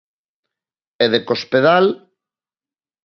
E De Cospedal?